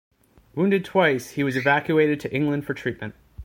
Wounded twice, he was evacuated to England for treatment.